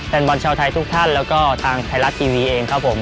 แฟนบอลชาวไทยทุกท่านแล้วก็ทางไทยรัฐทีวีเองครับผม